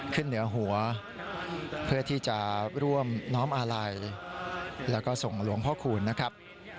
เหนือหัวเพื่อที่จะร่วมน้อมอาลัยแล้วก็ส่งหลวงพ่อคูณนะครับ